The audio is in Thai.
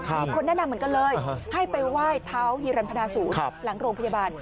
มีคนแนะนำเหมือนกันเลยให้ไปไหว้เท้าฮีรันพนาศูนย์หลังโรงพยาบาล